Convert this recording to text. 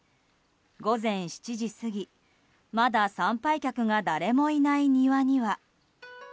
午前７時過ぎ、まだ参拝客が誰もいない庭には。